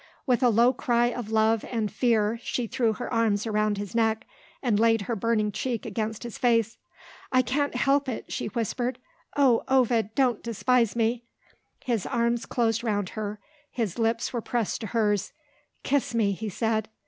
With a low cry of love and fear she threw her arms round his neck, and laid her burning cheek against his face. "I can't help it," she whispered; "oh, Ovid, don't despise me!" His arms closed round her; his lips were pressed to hers. "Kiss me," he said.